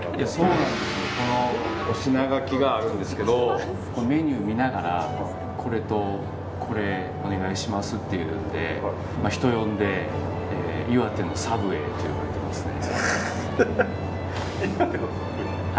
このお品書きがあるんですけどメニュー見ながら、これとこれお願いしますって言って人呼んで岩手のサブウェイと呼ばれてますね。